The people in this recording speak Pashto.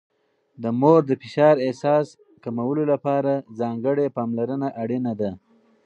د مور د فشار احساس کمولو لپاره ځانګړې پاملرنه اړینه ده.